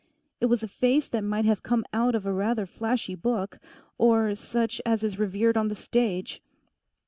It was a face that might have come out of a rather flashy book; or such as is revered on the stage.